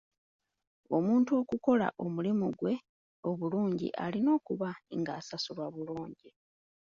Omuntu okukola omulimu gwe obulungi, alina okuba nga asasulwa bulungi.